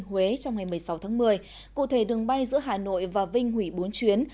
huế trong ngày một mươi sáu tháng một mươi cụ thể đường bay giữa hà nội và vinh hủy bốn chuyến